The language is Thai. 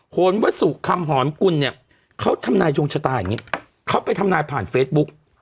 โหนวสุคำหอนกุลเนี่ยเขาทำนายดวงชะตาอย่างนี้เขาไปทำนายผ่านเฟซบุ๊ก